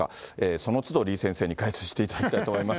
そのつど李先生に解説していただきたいと思います。